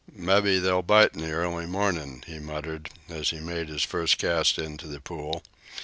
"Mebbe they'll bite in the early morning," he muttered, as he made his first cast into the pool.